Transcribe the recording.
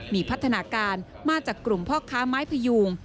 มีพัฒนาการมาจากกลุ่มพ่อค้าไม้พยูง